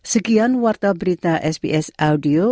sekian wartaberita sbs audio